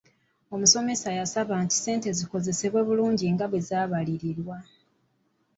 Omusomesa yasaba nti ssente zikozesebwe bulungi nga bwe zaabalirirwa.